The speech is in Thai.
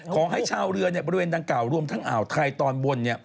ขอให้ชาวเรือบริเวณดังกล่าวรวมทั้งอ่าวไทยตอนบน